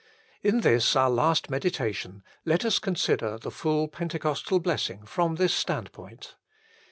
In this our last meditation let us consider the full Pentecostal blessing from this standpoint.